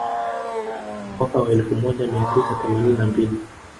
Mwaka wa elfu moja mia tisa themanini na mbili